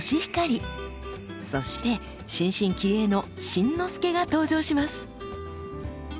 そして新進気鋭の「新之助」が登場します。